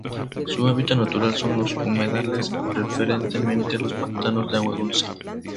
Su hábitat natural son los humedales, preferentemente los pantanos de agua dulce.